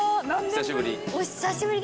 久しぶり。